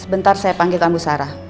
sebentar saya panggilkan bu sarah